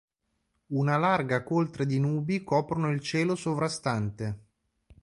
Una larga coltre di nubi coprono il cielo sovrastante.